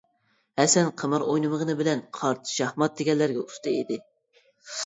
ھەسەن قىمار ئوينىمىغىنى بىلەن قارت، شاھمات دېگەنلەرگە ئۇستا ئىدى.